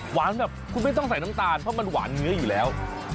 แบบคุณไม่ต้องใส่น้ำตาลเพราะมันหวานเนื้ออยู่แล้ว